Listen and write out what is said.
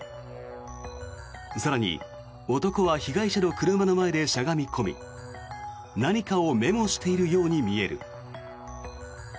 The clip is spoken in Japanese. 更に、男は被害者の車の前でしゃがみ込み何かをメモしているように見える。